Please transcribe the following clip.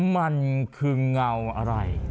มันคือเงาอะไร